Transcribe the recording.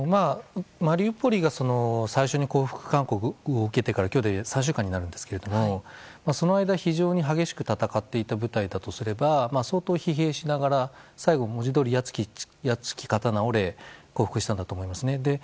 マリウポリが最初に降伏勧告を受けてから今日で３週間になるんですけどもその間、非常に激しく戦っていた部隊だとすれば相当、疲弊しながら最後は文字どおり矢尽き刀折れ降伏したんだと思いますね。